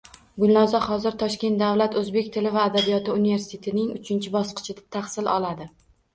Gulnoza hozir Toshkent davlat o‘zbek tili va adabiyoti universitetining uchinchi bosqichida tahsil oladi.